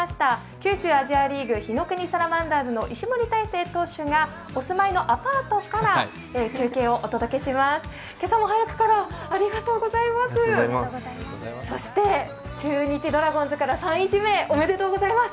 九州アジアリーグ、火の国サラマンダーズの石森大誠投手がお住まいのアパートから中継をお届けします。